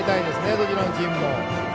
どちらのチームも。